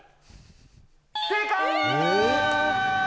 正解。